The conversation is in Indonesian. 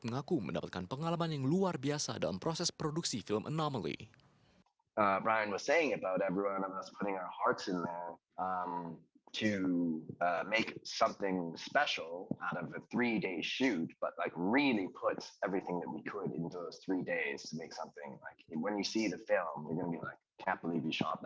mengaku mendapatkan pengalaman yang luar biasa dalam proses produksi film anomaly